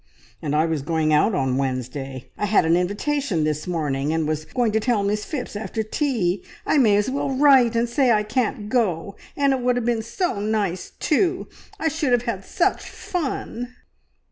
"And I was going out on Wednesday! I had an invitation this morning, and was going to tell Miss Phipps after tea. I may as well write and say I can't go, and it would have been so nice too. I should have had such fun!"